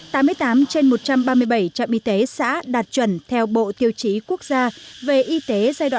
tám mươi tám trên một trăm ba mươi bảy trạm y tế xã đạt chuẩn theo bộ tiêu chí quốc gia về y tế giai đoạn hai nghìn một mươi hai hai nghìn hai mươi